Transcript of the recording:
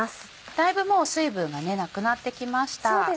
だいぶもう水分がなくなってきました。